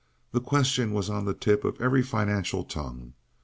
The question was on the tip of every financial tongue.